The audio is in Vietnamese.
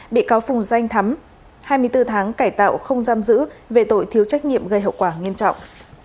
bị cáo phùng danh thắm hai mươi bốn tháng cải tạo không giam giữ về tội thiếu trách nhiệm gây hậu quả nghiêm trọng